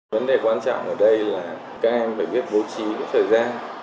vấn đề quan trọng ở đây là các em phải biết bố trí thời gian